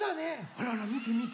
あらあらみてみて。